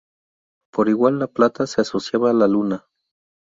Por igual la plata se asociaba a la luna.